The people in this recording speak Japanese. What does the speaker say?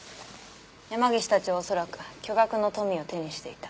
山岸たちは恐らく巨額の富を手にしていた。